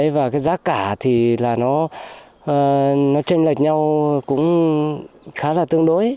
và cái giá cả thì là nó tranh lệch nhau cũng khá là tương đối